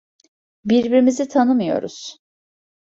Birbirimizi tanımıyoruz.